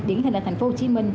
điển hình là tp hcm